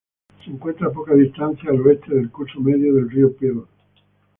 Se encuentra a poca distancia al oeste del curso medio del río Pearl.